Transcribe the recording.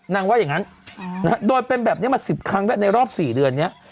ว่าอย่างนั้นโดยเป็นแบบนี้มา๑๐ครั้งแล้วในรอบ๔เดือนนี้